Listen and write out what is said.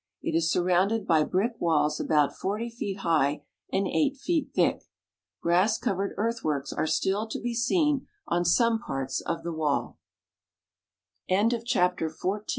It is surrounded by brick walls about forty feet high and eight feet thick. Grass covered earthworks are still to be seen on some parts of the wa